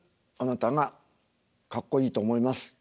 あなたがかっこいいと思います。